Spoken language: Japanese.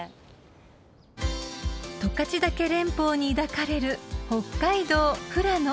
［十勝岳連峰に抱かれる北海道富良野］